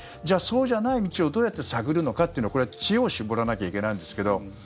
じゃあ、そうじゃない道をどうやって探るのかっていうのはこれは知恵を絞らなきゃいけないんですけど。